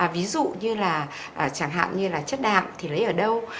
ví dụ như là chẳng hạn như là chất đạm thì lấy ở đâu